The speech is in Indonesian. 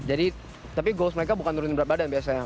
jadi tapi goals mereka bukan turunin berat badan biasanya